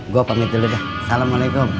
gue pamit dulu deh assalamualaikum